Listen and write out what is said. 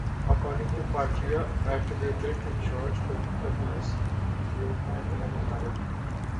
According to "Patria", attributed to George Codinus, Euphemia never married.